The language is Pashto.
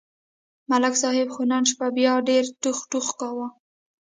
ملک صاحب خو نن شپه بیا ډېر ټوخ ټوخ کاوه